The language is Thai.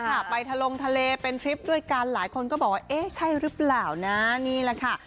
ค่ะไปทะลงทะเลเป็นทริปด้วยกันหลายคนก็บอกว่าเอ๊ะใช่หรือเปล่านะนี่แหละค่ะ